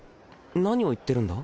何を言ってるんだ？